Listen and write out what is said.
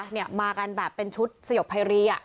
เนี่ยมากันแบบเป็นชุดสยบไพรีอ่ะครับ